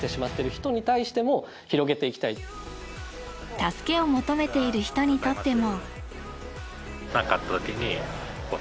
助けを求めている人にとっても。